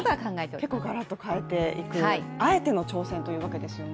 結構ガラッと変えていく、あえての挑戦ということですよね。